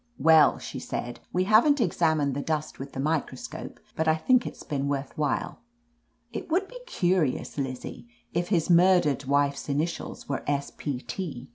"Well," she said;, "we haven't examined the dust with the microscope, but I think it's been worth while It would be curious, Lizzie, if his murdered wife's initials were S. P, T."